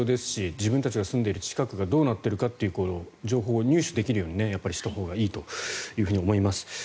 自分たちが住んでいる近くがどうなっているかという情報を入手できるようにしたほうがいいと思います。